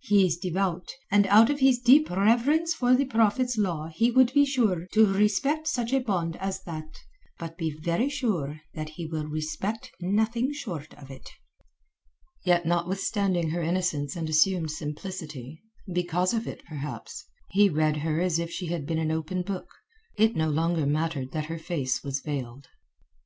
He is devout, and out of his deep reverence for the Prophet's law he would be sure to respect such a bond as that. But be very sure that he will respect nothing short of it." Yet notwithstanding her innocence and assumed simplicity—because of it, perhaps—he read her as if she had been an open book; it no longer mattered that her face was veiled.